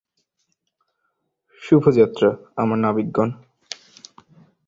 শুভ যাত্রা, আমার নাবিকগণ।